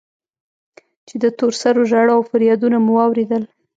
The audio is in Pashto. چې د تور سرو ژړا و فريادونه مو واورېدل.